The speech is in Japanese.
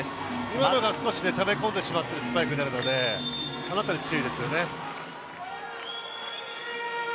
今のが少したたき込んでしまっているスパイクになるのであのあたり注意ですよね。